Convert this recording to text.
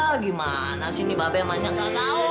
ah gimana sih nih babe emangnya gak tau